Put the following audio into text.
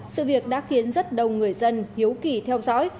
sự việc đã khiến rất đông người dân hiếu kỳ theo dõi